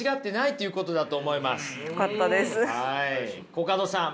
コカドさん